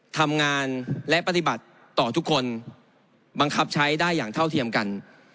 ทำงานและปฏิบัติต่อทุกคนบังคับใช้ได้อย่างเท่าเทียมกัน